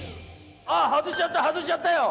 外しちゃった外しちゃったよ。